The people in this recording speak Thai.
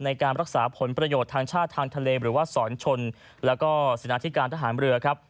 ในการรักษาผลประโยชน์ทางชาติทางทะเลหรือว่าสอนชนแล้วก็ศินาธิการทหารเรือครับ